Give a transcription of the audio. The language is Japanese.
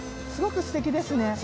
すごくすてきですね。